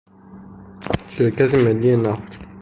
شرکت ملی نفت